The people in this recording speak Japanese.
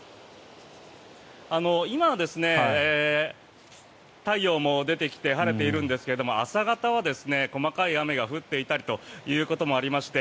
今は太陽も出てきて晴れているんですが朝方は細かい雨が降っていたりということもありまして